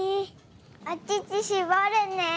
おちちしぼるね。